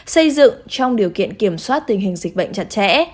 xây dựng trong điều kiện kiểm soát tình hình dịch bệnh chặt chẽ